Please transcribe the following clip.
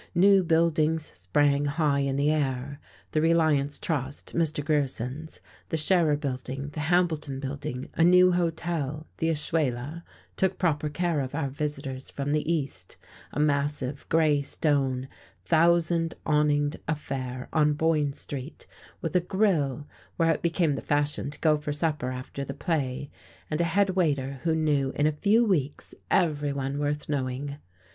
New buildings sprang high in the air; the Reliance Trust (Mr. Grierson's), the Scherer Building, the Hambleton Building; a stew hotel, the Ashuela, took proper care of our visitors from the East, a massive, grey stone, thousand awninged affair on Boyne Street, with a grill where it became the fashion to go for supper after the play, and a head waiter who knew in a few weeks everyone worth knowing.